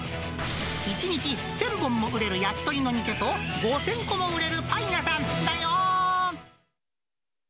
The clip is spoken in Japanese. １日１０００本も売れる焼き鳥の店と、５０００個も売れるパン屋さんだよーん。